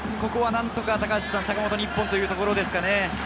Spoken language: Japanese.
ここは何とか坂本に１本というところですかね。